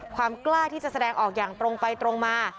ความกล้าที่จะแสดงออกอย่างตรงไปตรงมา